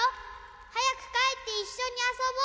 はやくかえっていっしょにあそぼう。